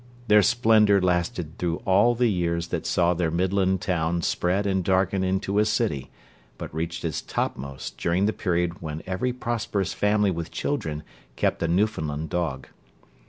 Their splendour lasted throughout all the years that saw their Midland town spread and darken into a city, but reached its topmost during the period when every prosperous family with children kept a Newfoundland dog.